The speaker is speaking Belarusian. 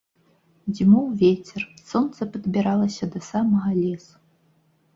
Дзьмуў вецер, сонца падбіралася да самага лесу.